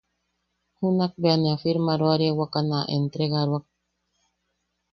Junak bea na firmaroariawaka na entregaroak.